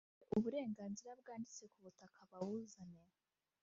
abafite uburenganzira bwanditse ku butaka babuzane